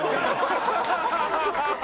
ハハハハ！